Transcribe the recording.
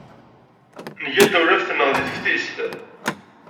Nga-d tawlaft-nneɣ deg teftist.